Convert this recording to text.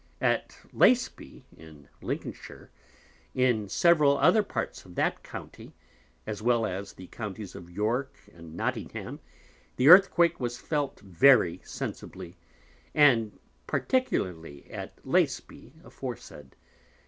At Laceby in Lincolnshire, and in several other Parts of that County, as well as of the Counties of York and Nottingham, the Earthquake was felt very sensibly; and particularly at Laceby aforesaid.